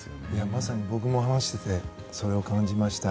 まさに僕も話していてそれを感じました。